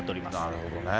なるほどね。